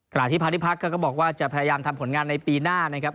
ที่พาณิพักษ์ก็บอกว่าจะพยายามทำผลงานในปีหน้านะครับ